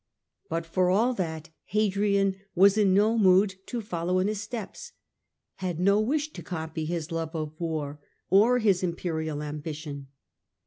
But for all that, Hadrian was in no mood to follow in his steps, had no wish to copy his love of war or his imperial ambition.